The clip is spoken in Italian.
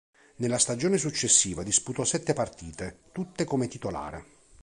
Nella stagione successiva disputò sette partite, tutte come titolare.